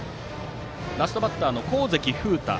ラストバッターの河関楓太。